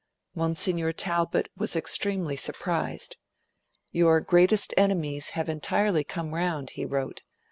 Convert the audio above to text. Monsignor Talbot was extremely surprised. 'Your greatest enemies have entirely come round,' he wrote.